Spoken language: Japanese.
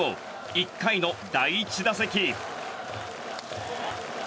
１回の第１打席。